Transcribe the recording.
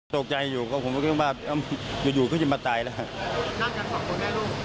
ตกใจอยู่ครับผมอยู่ก็จะมาตายแล้ว